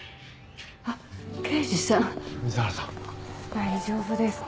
大丈夫ですか？